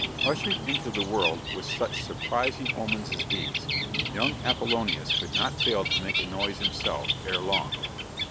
Ushered into the world with such surprising omens as these, young Apollonius could not fail to make a noise himself, ere long.